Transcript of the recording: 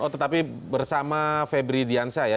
tetapi bersama febri diansyah ya